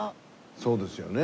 そうですよね。